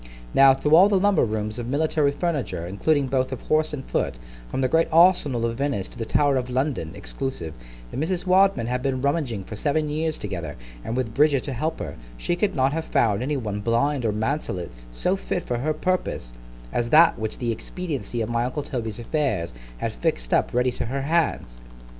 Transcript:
Now, through all the lumber rooms of military furniture, including both of horse and foot, from the great arsenal of Venice to the Tower of London (exclusive), if Mrs. Wadman had been rummaging for seven years together, and with Bridget to help her, she could not have found any one blind or mantelet so fit for her purpose, as that which the expediency of my uncle Toby's affairs had fix'd up ready to her hands.